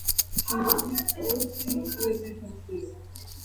თირობას კოს თირს ვემეჩანსია